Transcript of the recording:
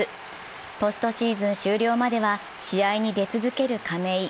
ポストシーズン終了までは試合に出続ける亀井。